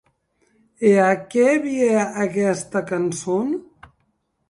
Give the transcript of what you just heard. E a qué vie aguesta cançon?